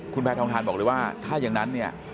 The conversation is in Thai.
คุณแพทองทานบอกเลยว่าถ้าอย่างนั้นเนี่ย